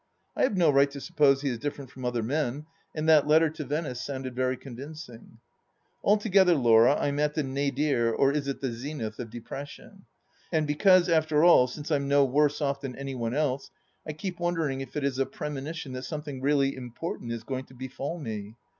... I have no right to suppose he is different from other men, and that letter to Venice sounded very convincing. ... Altogether, Laura, I am at the nadir — or is it the zenith ?— of depression. And because after all, since I'm no worse off than any one else, I keep wondering if it is a premonition that something really important is going to befall me.